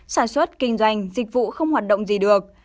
sản xuất kinh doanh dịch vụ không hoạt động gì được